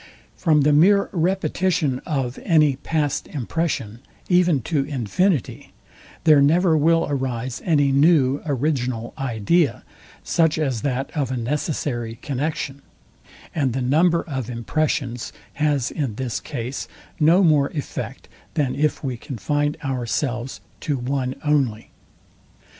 From the mere repetition of any past impression, even to infinity, there never will arise any new original idea, such as that of a necessary connexion; and the number of impressions has in this case no more effect than if we confined ourselves to one only.